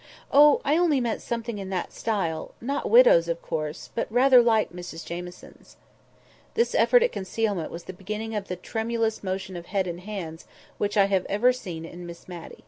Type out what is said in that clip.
"Oh! I only meant something in that style; not widows', of course, but rather like Mrs Jamieson's." This effort at concealment was the beginning of the tremulous motion of head and hands which I have seen ever since in Miss Matty.